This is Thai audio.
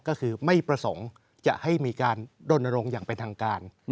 ก็คือไม่ประสงค์จะให้มีการดนรงค์อย่างเป็นทางการ